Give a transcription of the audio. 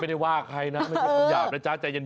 ไม่ได้ว่าใครนะไม่ใช่คำหยาบนะจ๊ะใจเย็น